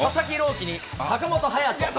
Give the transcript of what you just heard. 希に坂本勇人。